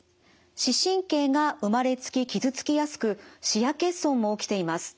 視神経が生まれつき傷つきやすく視野欠損も起きています。